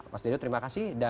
mas dedo terima kasih dan